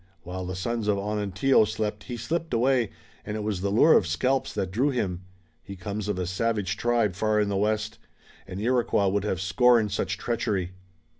"While the sons of Onontio slept he slipped away, and it was the lure of scalps that drew him. He comes of a savage tribe far in the west. An Iroquois would have scorned such treachery."